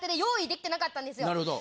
なるほど。